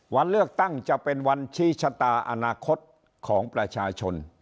วันเลือกตั้งจะเป็นวันชี้ชะตาอนาคตของประชาชน